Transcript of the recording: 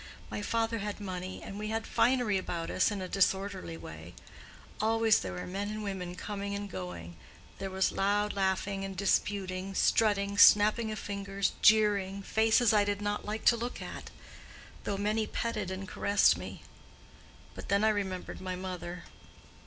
My father had money, and we had finery about us in a disorderly way; always there were men and women coming and going; there was loud laughing and disputing, strutting, snapping of fingers, jeering, faces I did not like to look at—though many petted and caressed me. But then I remembered my mother.